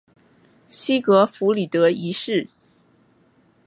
西格弗里德一世。